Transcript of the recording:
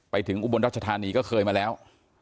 ไปถึงอุบรรณรัชธานีก็เคยมาแล้ว